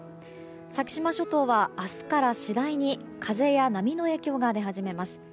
先島諸島は明日から次第に風や波の影響が出始めます。